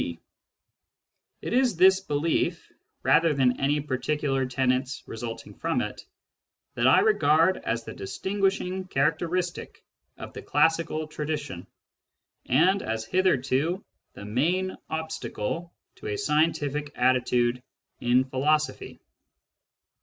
It is Digitized by Google 6 SCIENTIFIC METHOD IN PHILOSOPHY this belief, rather than any particular tenets resulting from it, that I regard as the distinguishing characteristic of the classical tradition, and as hitherto the main obstacle to a scientific attitude in philosophy.